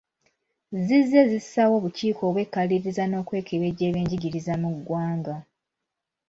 Zizze zissaawo obukiiko obwekaliriza n'okwekebejja eby'enjigiriza mu ggwanga.